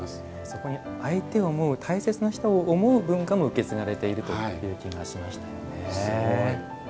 そこに相手を思う大切な人を思う文化も受け継がれているという気がしましたよね。